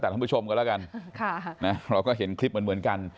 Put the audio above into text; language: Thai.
ทักผู้ชมก็แล้วกันคุณแล้วเราก็เห็นคลิปเหมือนกัน